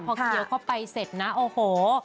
พอเคี้ยวเข้าไปเสร็จนะโอ้โห